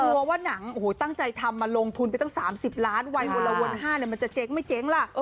ว่าหนังโอ้โหตั้งใจทำมาลงทุนไปตั้ง๓๐ล้านวัยวันละวน๕มันจะเจ๊งไม่เจ๊งล่ะ